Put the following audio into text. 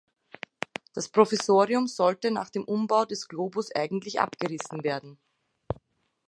Das Provisorium sollte nach dem Umbau des Globus eigentlich abgerissen werden.